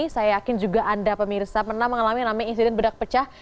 saya yakin juga anda pemirsa pernah mengalami namanya insiden bedak pecah